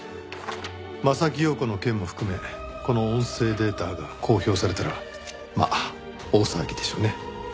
柾庸子の件も含めこの音声データが公表されたらまあ大騒ぎでしょうね。